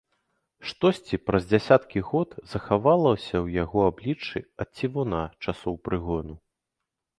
Штосьці, праз дзесяткі год, захавалася ў яго абліччы ад цівуна часоў прыгону.